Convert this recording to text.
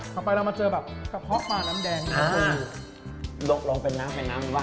ต่อไปเรามาเจอกระเพาะปลาน้ำแดงลองเป็นน้ำดีกว่า